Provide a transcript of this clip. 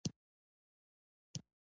یو پکې د دیواله له کنډوه یو مخ وویني.